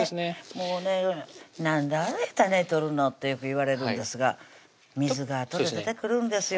もうね「なんで種取るの？」ってよく言われるんですが水があとで出てくるんですよ